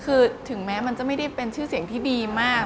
คือถึงแม้มันจะไม่ได้เป็นชื่อเสียงที่ดีมาก